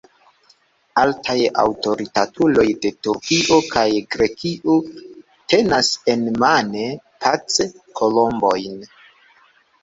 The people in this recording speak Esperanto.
Altaj aŭtoritatuloj de Turkio kaj Grekio tenas enmane pac-kolombojn.